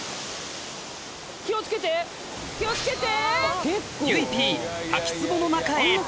気を付けて気を付けて。